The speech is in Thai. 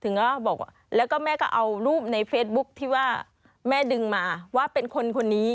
ก็บอกว่าแล้วก็แม่ก็เอารูปในเฟซบุ๊คที่ว่าแม่ดึงมาว่าเป็นคนคนนี้